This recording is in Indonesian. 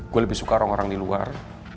gue lebih suka orang orang di luar